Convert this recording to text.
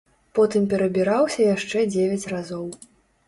Потым перабіраўся яшчэ дзевяць разоў.